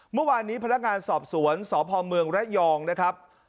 เมื่อวานนี้พนักงานสอบสวนสพเมืองระยองนะครับ